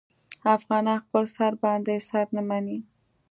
افغانان خپل سر باندې سر نه مني.